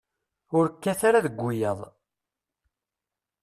Ur kkat ara deg wiyaḍ.